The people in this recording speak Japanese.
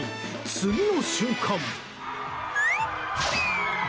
次の瞬間。